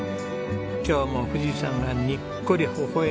今日も富士山がにっこりほほ笑む